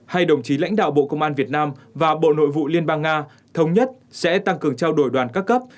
hai đồng chí lãnh đạo bộ công an việt nam và bộ nội vụ liên bang nga thống nhất sẽ tăng cường trao đổi đoàn các cấp